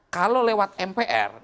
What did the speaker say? kalau lewat mpr